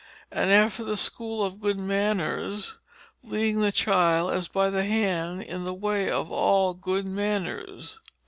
And after the Schoole of Good Manners, leading the child as by the hand, in the way of all good manners."